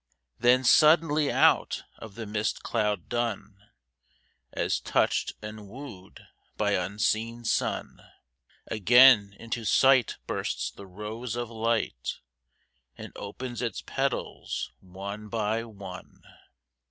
Then suddenly out of the mist cloud dun, As touched and wooed by unseen sun, Again into sight bursts the rose of light And opens its petals one by one.